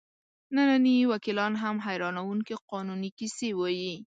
ننني وکیلان هم حیرانوونکې قانوني کیسې وایي.